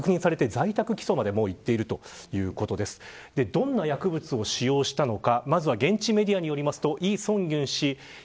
どんな薬物を使用したのか。